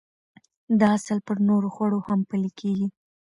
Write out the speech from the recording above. دا اصل پر نورو خوړو هم پلي کېږي.